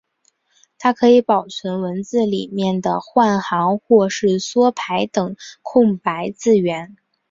它可以保存文字里面的换行或是缩排等空白字元。